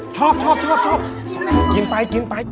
ชอบชอบกินไปกินไป